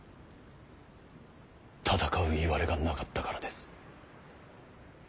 戦ういわれがなかったからです。